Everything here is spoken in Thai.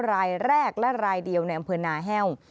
รายแรกและรายเดียวในอำเภอนาแห้ว